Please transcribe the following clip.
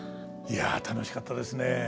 いや楽しかったですね。